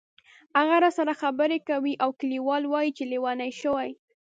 هغه راسره خبرې کوي او کلیوال وایي چې لیونی شوې.